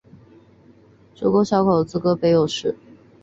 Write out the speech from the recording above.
主沟小口子沟北侧有寺。